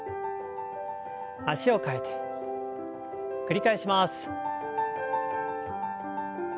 脚を替えて繰り返します。